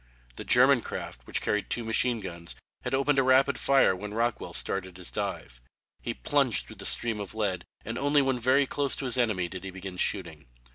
The German craft, which carried two machine guns, had opened a rapid fire when Rockwell started his dive. He plunged through the stream of lead and only when very close to his enemy did he begin shooting.